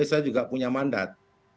saya juga punya mandat